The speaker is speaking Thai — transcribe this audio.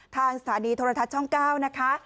สถานีโทรทัศน์ช่อง๙นะคะ